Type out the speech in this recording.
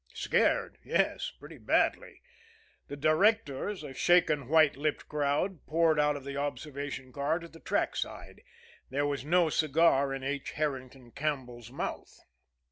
Scared? Yes pretty badly. The directors, a shaken, white lipped crowd, poured out of the observation car to the track side. There was no cigar in H. Herrington Campbell's mouth.